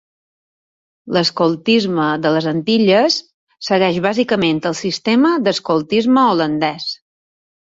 L'"escoltisme de les Antilles" segueix bàsicament el sistema d'escoltisme holandès.